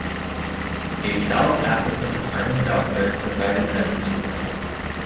A South African Army doctor provided them to him.